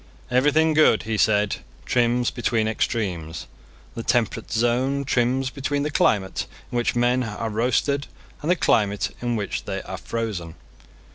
Everything good, he said, trims between extremes. The temperate zone trims between the climate in which men are roasted and the climate in which they are frozen.